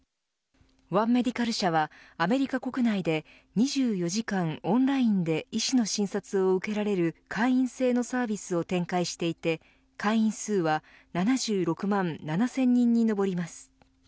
ワン・メディカル社はアメリカ国内で２４時間をオンラインで医師の診察を受けられる会員制のサービスを展開していて会員数は７６万７０００人に上ります。